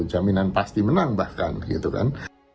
jaminan pasti menang bahkan gitu kan